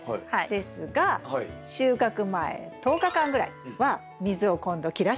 ですが収穫前１０日間ぐらいは水を今度切らしめにします。